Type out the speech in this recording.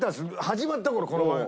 始まった頃この番組。